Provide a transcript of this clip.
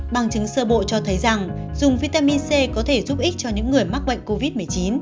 bằng chứng sơ bộ cho thấy rằng dùng vitamin c có thể giúp ích cho những người mắc bệnh covid một mươi chín